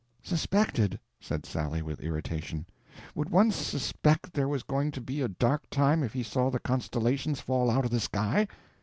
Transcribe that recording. "Suspected!" said Sally, with irritation. "Would one suspect there was going to be a dark time if he saw the constellations fall out of the sky?